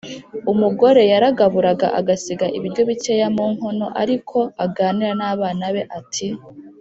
umugore yaragaburaga agasiga ibiryo bikeya mu nkono, ariko aganira n ;abana be ati :